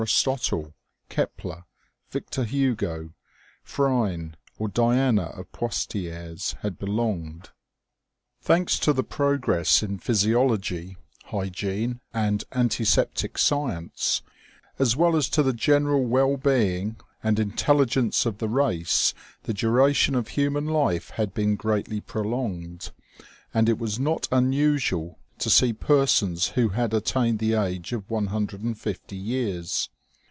219 totle, Kepler, Victor Hugo, Phryne, or Diana of Poictiers ' had belonged. Thanks to the progress in physiology , hygiene, and anti septic science, as well as to the general well being and intelligence of the race the duration of human life had been greatly prolonged, and it was not unusual to see per sons who had attained the age of 150 years.